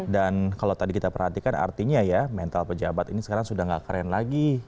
dan kalau tadi kita perhatikan artinya ya mental pejabat ini sekarang sudah tidak keren lagi